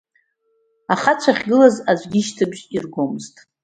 Ахацәа ахьгылаз аӡәгьы ишьҭыбжь иргомызт.